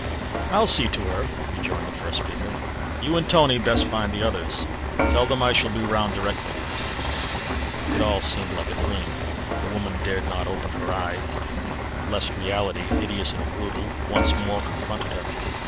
"I'll see to her," rejoined the first speaker. "You and Tony had best find the others. Tell them I shall be round directly." It all seemed like a dream. The woman dared not open her eyes lest reality hideous and brutal once more confronted her.